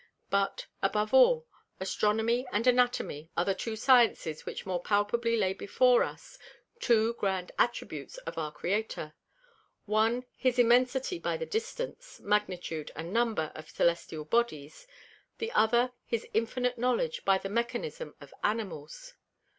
But above all, Astronomy and Anatomy are the two Sciences which more palpably lay before us two grand Attributes of our Creator; one his Immensity by the distance, Magnitude and Number of Cœlestial Bodies; the other his Infinite Knowledge by the Mechanism of Animals.